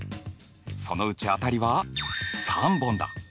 そのうち当たりは３本だ。